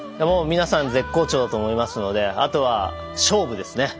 もう皆さん絶好調だと思いますのであとは勝負ですね。